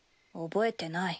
覚えてない。